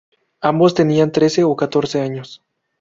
Ambos tenían trece o catorce años.